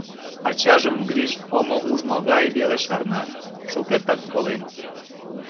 Ачажым Гриш омо ужмо гай веле шарна — шукертак колен.